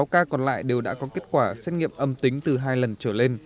sáu ca còn lại đều đã có kết quả xét nghiệm âm tính từ hai lần trở lên